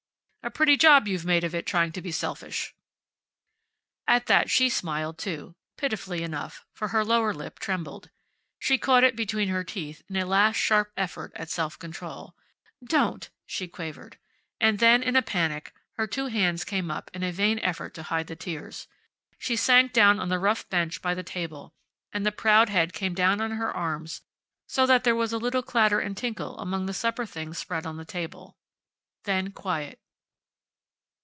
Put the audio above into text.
"A pretty job you've made of trying to be selfish." At that she smiled, too, pitifully enough, for her lower lip trembled. She caught it between her teeth in a last sharp effort at self control. "Don't!" she quavered. And then, in a panic, her two hands came up in a vain effort to hide the tears. She sank down on the rough bench by the table, and the proud head came down on her arms so that there was a little clatter and tinkle among the supper things spread on the table. Then quiet.